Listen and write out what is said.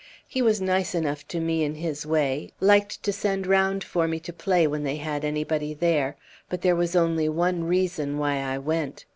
He was nice enough to me in his way liked to send round for me to play when they had anybody there but there was only one reason why I went.